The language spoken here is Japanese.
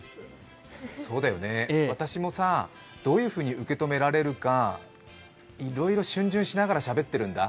そうだよね、私もさ、どういうふうに受け止められるかいろいろ逡巡しながらしゃべってるんだ。